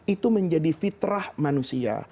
itu menjadi fitrah manusia